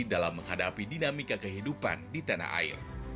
dalam menghadapi dinamika kehidupan di tanah air